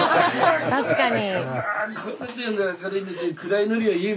確かに。